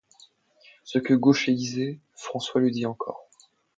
Ce que Gaucher disait, François le dit encore.